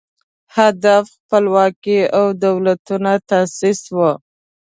هدف خپلواکي او دولتونو تاسیس و